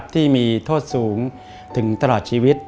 ที่มีโทษสูงถึงตลอดชีวิต